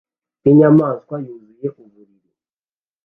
rwinyamaswa yuzuye ubururu